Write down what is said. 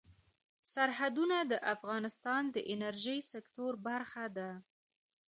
سرحدونه د افغانستان د انرژۍ سکتور برخه ده.